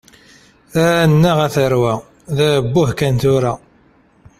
Annaɣ, a tarwa! D abbuh kan, tura!